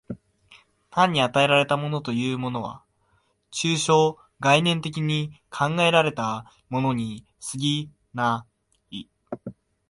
単に与えられたものというものは、抽象概念的に考えられたものに過ぎない。